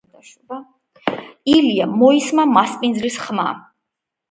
- ილია! - მოისმა მასპინძლის ხმა,